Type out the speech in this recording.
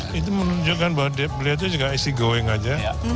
jadi itu menunjukkan bahwa dia itu juga easy going aja